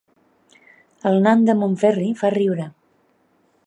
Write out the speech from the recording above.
El nan de Montferri fa riure